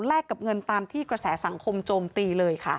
กับเงินตามที่กระแสสังคมโจมตีเลยค่ะ